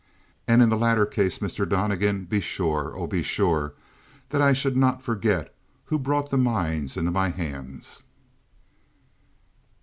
And in the latter case, Mr. Donnegan, be sure oh, be sure that I should not forget who brought the mines into my hands!"